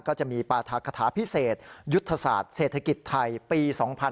ก็จะมีปราธาคาถาพิเศษยุทธศาสตร์เศรษฐกิจไทยปี๒๕๕๙